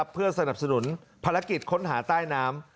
เพื่อสนับสนุนภารกิจค้นหาใต้น้ำ